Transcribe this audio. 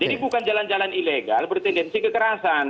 ini bukan jalan jalan ilegal bertendensi kekerasan